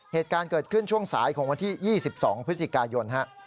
เหตุการณ์เกิดขึ้นช่วงสายของวันที่๒๒พฤศจิกายน